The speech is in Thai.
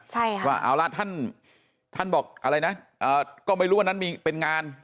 ใช่ค่ะว่าเอาละท่านท่านบอกอะไรนะก็ไม่รู้วันนั้นมีเป็นงาน